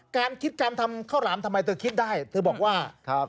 การคิดการทำข้าวหลามทำไมเธอคิดได้เธอบอกว่า